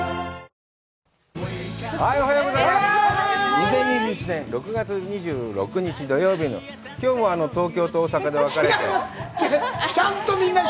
２０２１年６月２６日土曜日のきょうも東京と大阪で分かれて。